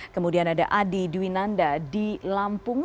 kemudian ada adi dwinanda di lampung